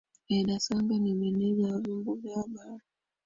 edda sanga ni meneja wa vyombo vya habari